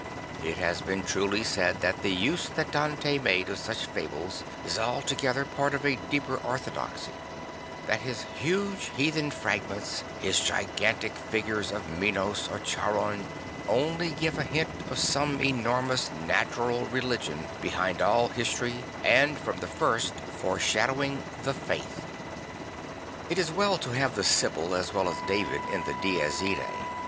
It has been truly said that the use that Dante makes of such fables is altogether part of a deeper orthodoxy; that his huge heathen fragments, his gigantic figures of Iinos or of Charon, only give a hint of some enormous natural religion behind all history and from the first foreshadowing the F ai tho It is well to have the Sybil as well as David in the Dies Irae.